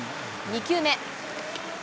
２球目。